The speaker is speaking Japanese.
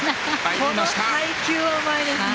この配球はうまいですね。